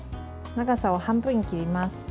長さを半分に切ります。